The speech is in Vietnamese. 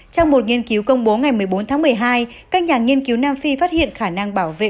trong một nghiên cứu công bố ngày một mươi bốn tháng một mươi hai các nhà nghiên cứu nam phi phát hiện khả năng bảo vệ